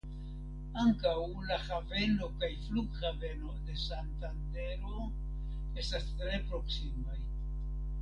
Ankaŭ la haveno kaj flughaveno de Santandero estas tre proksimaj.